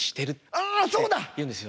ああそうだ！って言うんですよ。